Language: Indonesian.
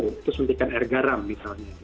untuk suntikan air garam misalnya